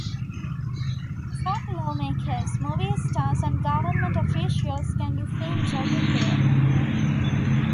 Top lawmakers, movie stars, and government officials can be seen jogging there.